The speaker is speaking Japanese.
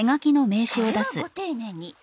これはご丁寧に。